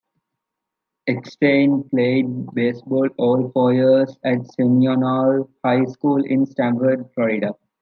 Eckstein played baseball all four years at Seminole High School in Sanford, Florida.